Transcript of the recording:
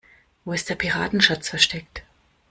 Wo ist der Piratenschatz versteckt?